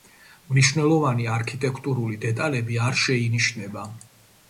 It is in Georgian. მნიშვნელოვანი არქიტექტურული დეტალები არ შეინიშნება.